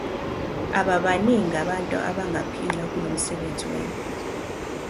Ababaningi abantu abangaphila kulo msebenzi wenu.